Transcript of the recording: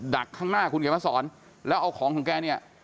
ักข้างหน้าคุณเขียนมาสอนแล้วเอาของของแกเนี่ย